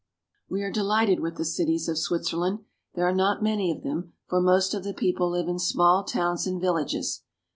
We are delighted with the cities of Switzerland. There are not many of them, for most of the people live in small towns and villages.